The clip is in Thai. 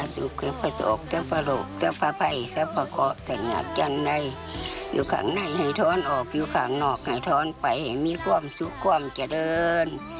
ทุกท่านออกอยู่ขังหนอกในท้อนไปให้มีความสุขความเกลิ้น